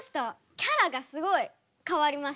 キャラがすごい変わりました。